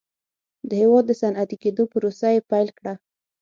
د هېواد د صنعتي کېدو پروسه یې پیل کړه.